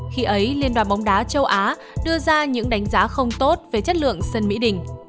khi ấy liên đoàn bóng đá châu á đưa ra những đánh giá không tốt về chất lượng sân mỹ đình